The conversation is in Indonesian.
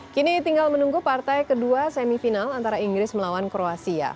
kini tinggal menunggu partai kedua semifinal antara inggris melawan kroasia